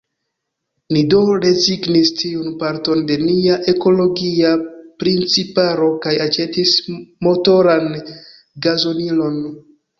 Ni do rezignis tiun parton de nia ekologia principaro kaj aĉetis motoran gazonilon.